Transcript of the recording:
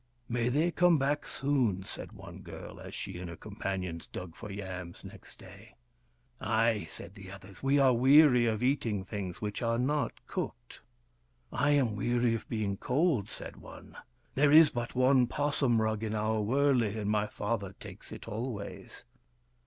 " May they come back soon !" said one girl, as she and her companions dug for yams next day. " Ay !" said the others. " We are weary of eating things which are not cooked." " I am weary of being cold," said one. " There is but one 'possum rug in our wurley, and my father takes it always."